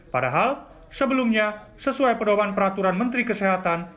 padahal sebelumnya sesuai pedoman peraturan menteri kesehatan